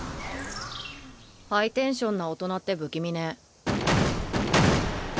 ハイテンションな大人って不気味ね。